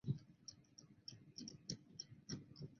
目前已举办三届评选。